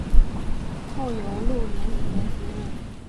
后由陆联捷接任。